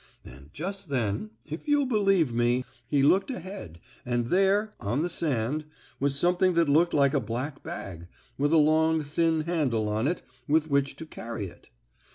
And just then, if you'll believe me, he looked ahead and there, on the sand, was something that looked like a black bag, with a long, thin handle on it with which to carry it.